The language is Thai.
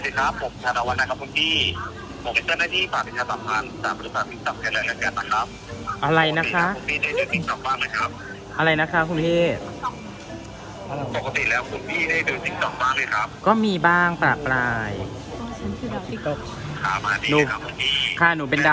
ครับสวัสดีครับผมชาตาวันนะครับคุณพี่ผมพิกเตอร์หน้าที่ประสิทธิศสัมพันธ์สามารถประสิทธิศสัมพิกษัตริย์แรกแรกแรกแรกนะครับ